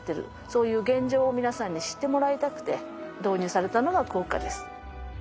そういう現状を皆さんに知ってもらいたくて導入されたのがクオッカです。